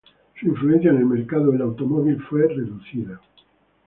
Su influencia en el mercado del automóvil fue reducida.